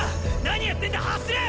何やってんだ走れ！